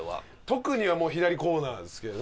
特にはもう左コーナーですけどね。